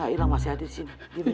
gak hilang masih ada disini